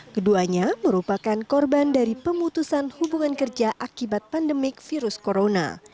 keduanya merupakan korban dari pemutusan hubungan kerja akibat pandemik virus corona